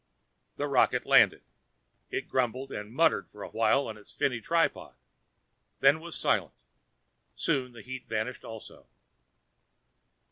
The rocket landed. It grumbled and muttered for a while on its finny tripod, then was silent; soon the heat vanished also.